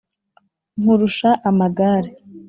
nkurusha amagare,